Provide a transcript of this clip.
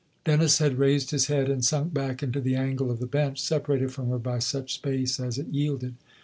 Dennis had raised his head and sunk back into the angle of the bench, separated from her by such space as it yielded.